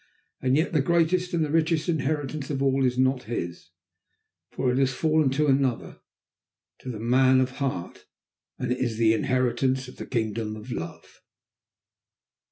And yet, the greatest and the richest inheritance of all is not his, for it has fallen to another, to the man of heart, and it is the inheritance of the kingdom of love.